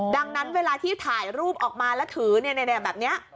ดังนั้นเวลาที่ถ่ายรูปออกมาแล้วถือแบบนี้